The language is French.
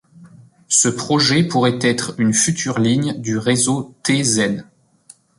Ce projet pourrait être une future ligne du réseau T Zen.